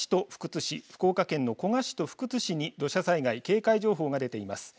古賀市、福津市、福岡県の古賀市と福津市に土砂災害警戒情報が出ています。